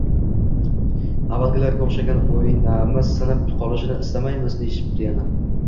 Avvalgilarga o‘xshab oynamiz sinib qolishini istamaymiz!” – deyishdi yana.